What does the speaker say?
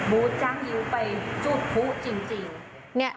บู๊ดจ้างยิ้วไปจุดพลุจริง